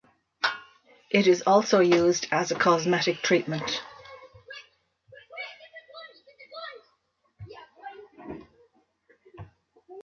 It is also used as a cosmetic treatment.